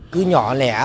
cứ nhỏ lẻ